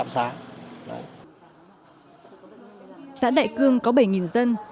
xã đại cương có bảy dân